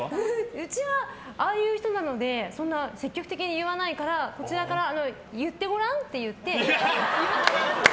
うちはああいう人なので積極的に言わないからこちらから言ってごらん？って言って。